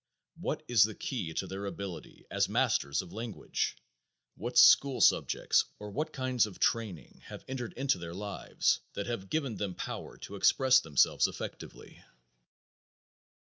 What is the key to their ability as masters of language? What school subjects, or what kinds of training have entered into their lives that have given them power to express themselves effectively?"